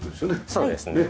そうですね。